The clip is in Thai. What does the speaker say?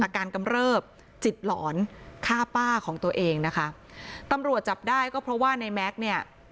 การกำเริบจิตหลอนฆ่าป้าของตัวเองนะคะตำรวจจับได้ก็เพราะว่าในแม็กซ์เนี่ย